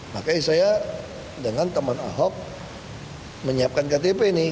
makanya saya dengan teman ahok menyiapkan ktp nih